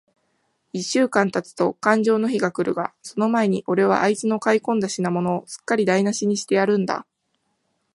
一週間たつとかんじょうの日が来るが、その前に、おれはあいつの買い込んだ品物を、すっかりだいなしにしてやるんだ。